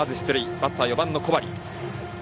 バッター、４番の小針。